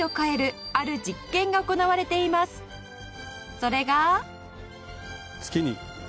それが。